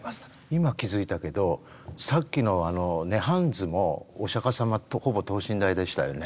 今気付いたけどさっきのあの「涅槃図」もお釈迦様とほぼ等身大でしたよね。